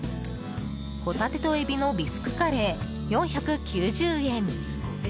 ほたてと海老のビスクカレー４９０円。